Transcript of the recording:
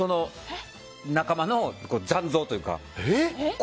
仲間の残像というか。